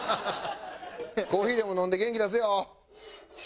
コーヒーでも飲んで元気出せよ！